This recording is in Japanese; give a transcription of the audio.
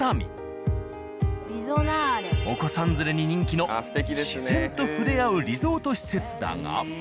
お子さん連れに人気の自然と触れ合うリゾート施設だが。